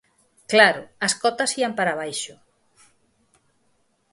Claro, as cotas ían para abaixo.